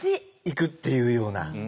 行くっていうような場をね